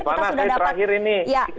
di mana saya terakhir ini